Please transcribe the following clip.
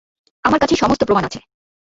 আমার কাছে সমস্ত প্রমাণ আছে।